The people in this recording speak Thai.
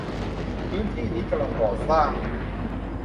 พื้นที่นี้กำลังก่อสร้างอยู่